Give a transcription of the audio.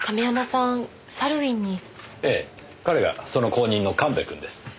ええ彼がその後任の神戸君です。